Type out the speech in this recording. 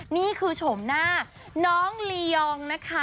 นี่คือชมหน้าน้องลียองนะคะ